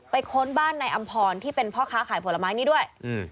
ค้นบ้านนายอำพรที่เป็นพ่อค้าขายผลไม้นี้ด้วย